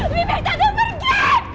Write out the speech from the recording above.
bibik tante pergi pergi